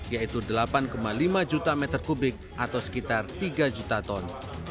yaitu delapan lima juta meter kubik atau sekitar tiga juta ton